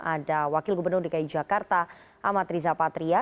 ada wakil gubernur dki jakarta amat riza patria